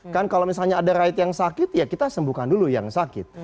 kan kalau misalnya ada raid yang sakit ya kita sembuhkan dulu yang sakit